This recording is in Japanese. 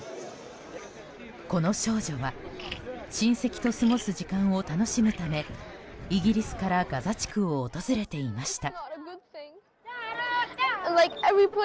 この少女は親戚と過ごす時間を楽しむためイギリスからガザ地区を訪れていました。